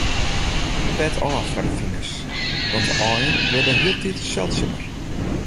Pet ôf foar de finers, want dy aaien wurde hieltyd seldsumer.